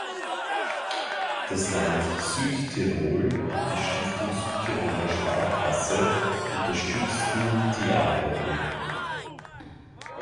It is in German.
Das Land Südtirol und die Stiftung Südtiroler Sparkasse unterstützten die Arbeiten.